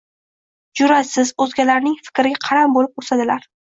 jur’atsiz, o‘zgalarning fikriga qaram bo‘lib o‘sadilar.